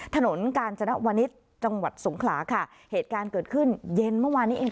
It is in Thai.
ถนนกาญจนวนิษฐ์จังหวัดสงขลาค่ะเหตุการณ์เกิดขึ้นเย็นเมื่อวานนี้เอง